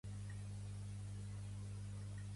Què li va dir al malalt un cop va comunicar el diagnòstic?